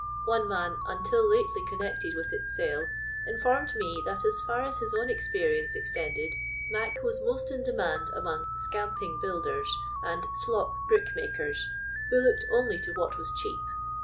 One man, until lately connected with its sale, informed me that as far as his own ex perience extended, "mac" Wcos most in demand among s&imping builders, and slop brickmakers, who looked only to what was cheap.